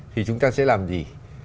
thì chúng ta sẽ làm gì